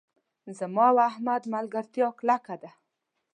زما او احمد ملګرتیا کلکه ده.